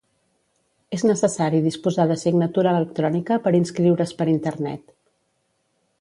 És necessari disposar de signatura electrònica per inscriure's per Internet.